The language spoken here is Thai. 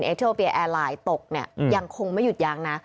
เอเทอร์โอเปียแอร์ไลน์ตกเนี่ยยังคงไม่หยุดย้างนะ